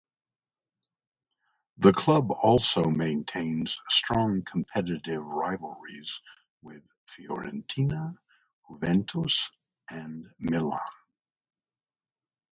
The club also maintains strong competitive rivalries with Fiorentina, Juventus, and Milan.